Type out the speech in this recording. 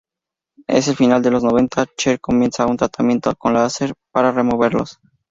En el final de los noventa, Cher comenzó un tratamiento con láser para removerlos.